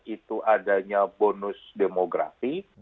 itu adanya bonus demografi